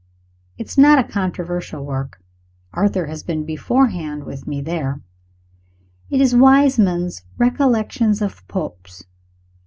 It is not a controversial work (Arthur has been beforehand with me there) it is Wiseman's "Recollections of the Popes."